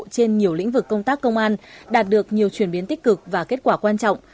trên nhiều lĩnh vực công tác công an đạt được nhiều chuyển biến tích cực và kết quả quan trọng